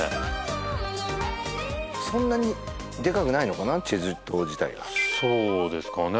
そんなにデカくないのかな済州島自体がそうですかね